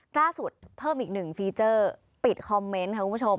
ล่าสุดเพิ่มอีกหนึ่งฟีเจอร์ปิดคอมเมนต์ค่ะคุณผู้ชม